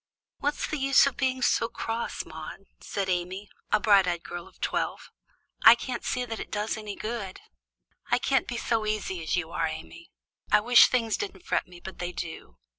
"What's the use of being so cross, Maude?" asked Amy, a bright eyed girl of twelve. "I can't see that it does any good." "I can't be so easy as you are, Amy. I wish things didn't fret me, but they do.